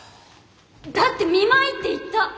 だって見舞いって言った！